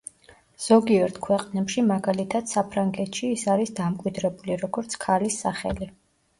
ზოგიერთ ქვეყნებში, მაგალითად საფრანგეთში, ის არის დამკვიდრებული, როგორც ქალის სახელი.